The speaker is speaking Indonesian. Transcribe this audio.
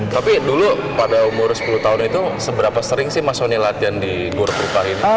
tapi dulu pada umur sepuluh tahun itu seberapa sering sih mas soni latihan di gor puka ini